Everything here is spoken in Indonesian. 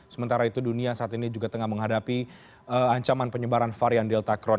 sementara itu dunia saat ini juga tengah menghadapi ancaman penyebaran varian delta kron